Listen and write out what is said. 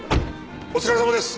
お疲れさまです！